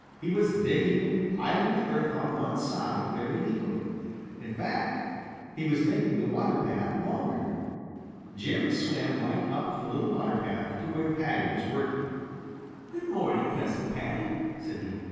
He was digging and piling the earth on one side very neatly. In fact, he was making the water path longer. Jerry swam right up the little water path to where Paddy was working. "Good morning, Cousin Paddy," said he.